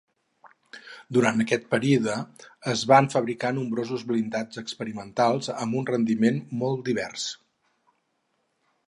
Durant aquest període es van fabricar nombrosos blindats experimentals amb un rendiment molt divers.